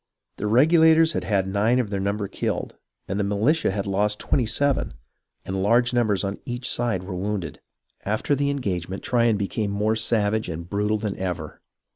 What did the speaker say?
The Regulators had had nine of their number killed, and the militia had lost twenty seven, and large numbers on each side were wounded. After the engagement Tryon became more savage and brutal than ever.